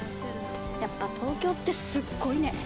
やっぱ東京ってすっごいね。